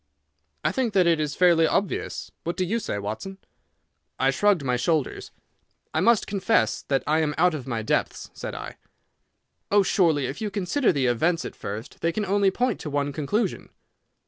"I think that it is fairly obvious. What do you say, Watson?" I shrugged my shoulders. "I must confess that I am out of my depths," said I. "Oh surely if you consider the events at first they can only point to one conclusion."